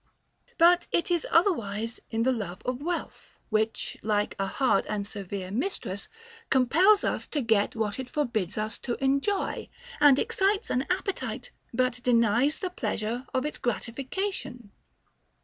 But it is otherwise in the love of wealth, which, like a hard and severe mistress, compels us to get what it for bids us to enjoy, and excites an appetite but denies the pleasure of its gratification.